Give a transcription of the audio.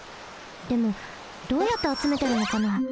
でもどうやってあつめてるのかな？